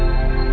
ya udah deh